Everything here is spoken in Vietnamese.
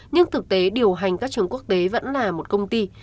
nhưng thực tế điều hành các trường quốc tế vẫn là một công ty